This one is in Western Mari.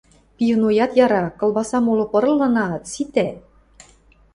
— Пивноят яра, колбасам моло пырылынаат, ситӓ.